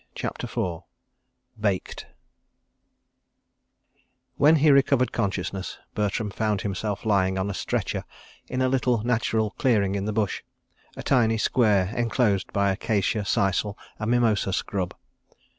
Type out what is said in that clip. CHAPTER IV Baked §1 When he recovered consciousness, Bertram found himself lying on a stretcher in a little natural clearing in the bush—a tiny square enclosed by acacia, sisal, and mimosa scrub.